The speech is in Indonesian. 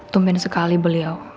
tumpin sekali beliau